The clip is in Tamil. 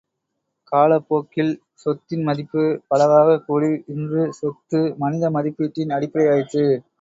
காலப் போக்கில் சொத்தின் மதிப்பு, பலவாகக் கூடி, இன்று சொத்து மனித மதிப்பீட்டின் அடிப்படை ஆயிற்று.